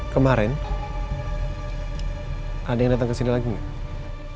kemarin ada yang datang ke sini lagi nggak